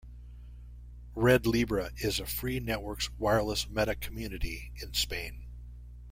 RedLibre is a free networks wireless meta community in Spain.